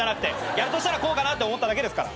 やるとしたらこうかなって思っただけですから。